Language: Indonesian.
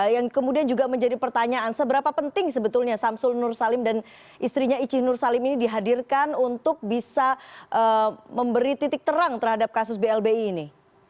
yang kemudian juga menjadi pertanyaan seberapa penting sebetulnya samsul nur salim dan istrinya ici nur salim ini dihadirkan untuk bisa memberi titik terang terhadap kasus blbi ini